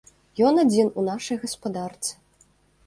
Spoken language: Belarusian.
Ён адзін у нашай гаспадарцы.